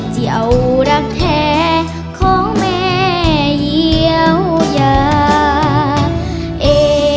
จะเอารักแท้ของแม่เยี่ยวยาเอ